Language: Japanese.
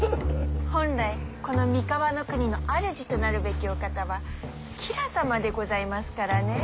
本来この三河国の主となるべきお方は吉良様でございますからねえ。